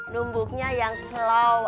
numbuknya yang slow